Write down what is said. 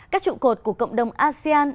các trụ cột của cộng đồng asean